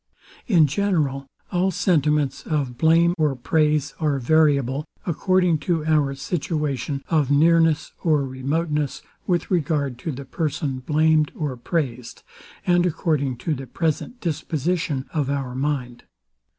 In general, all sentiments of blame or praise are variable, according to our situation of nearness or remoteness, with regard to the person blamed or praised, and according to the present disposition of our mind.